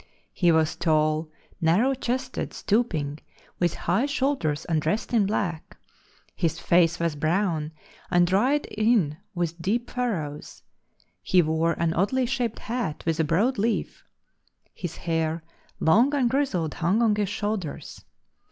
He was tall, narrow chested, stooping, with high shoulders, and dressed in black. His face was brown and dried in with deep furrows; he wore an oddly shaped hat with a broad leaf. His hair, long and grizzled, hung on his shoulders.